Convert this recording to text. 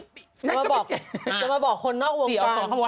จะมาบอกคนนอกวงการ